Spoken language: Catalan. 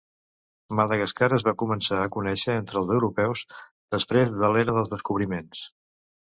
Madagascar es va començar a conèixer entre els europeus després de l'Era dels Descobriments.